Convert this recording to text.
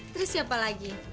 terus siapa lagi